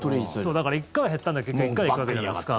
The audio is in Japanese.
だから、１回は減ったんだけど１回は行くわけじゃないですか。